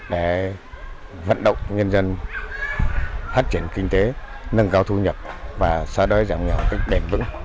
để vận động nhân dân phát triển kinh tế